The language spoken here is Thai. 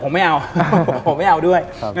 แต่ผมไม่เอาด้วย